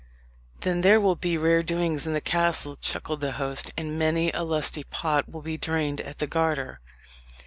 "Then there will be rare doings in the castle," chuckled the host; "and many a lusty pot will be drained at the Garter.